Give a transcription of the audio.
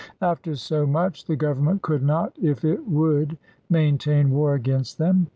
After so much, the Government could not, if it would, maintain war against them.